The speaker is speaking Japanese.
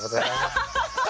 アハハハハ！